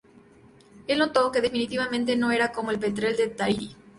El notó que definitivamente no era como el petrel de Tahiti.